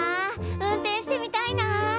運転してみたいな！